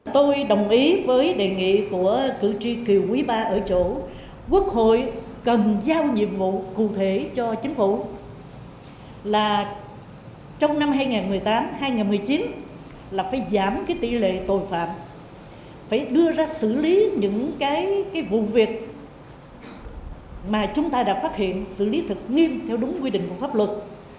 theo đúng quy định của pháp luật